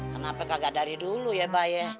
kenapa kagak dari dulu ya pak ya